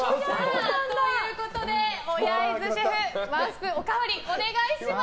ということで小柳津シェフワンスプーンおかわりお願いします！